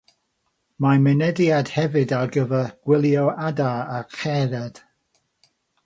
Mae mynediad hefyd ar gyfer gwylio adar a cherdded.